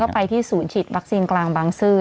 ไปที่ศูนย์ฉีดวัคซีนกลางบางซื่อ